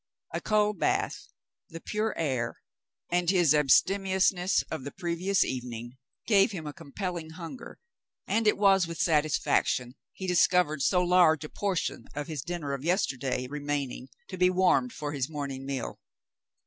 A cold bath, the pure air, and his abstemiousness of the previous evening gave him a compelHng hunger, and it was with satisfaction he discovered so large a portion of his dinner of yesterday remaining to be warmed for his morning meal.